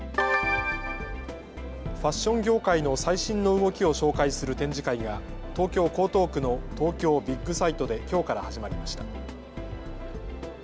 ファッション業界の最新の動きを紹介する展示会が東京江東区の東京ビッグサイトできょうから始まりました。